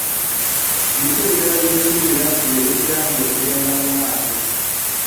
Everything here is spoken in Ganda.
Biki ebirala by'osuubira nti bye bikuyambye okugenda mu maaso?